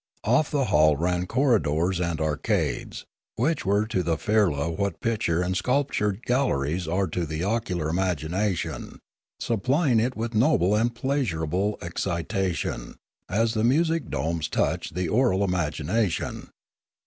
Off the hall ran corridors and arcades, which were to the firla what picture and sculpture galleries are to the ocular 140 Limanora imagination, supplying it with noble and pleasurable excitation, as the music domes touched the aural imagination.